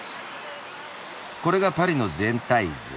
これがパリの全体図。